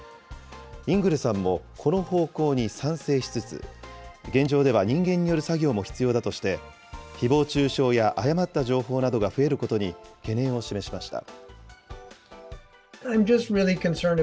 イングルさんもこの方向に賛成しつつ、現状では人間による作業も必要だとして、ひぼう中傷や誤った情報などが増えることに懸念を示しました。